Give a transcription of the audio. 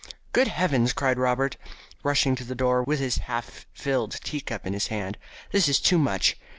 "Good heavens!" cried Robert, rushing to the door with his half filled teacup in his hand. "This is too much.